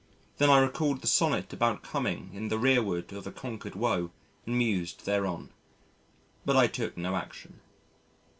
Then I recalled the sonnet about coming in the rearward of a conquered woe and mused thereon. But I took no action.